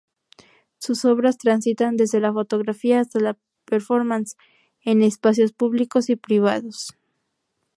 Sus obras transitan desde la fotografía hasta la performance en espacios públicos y privados.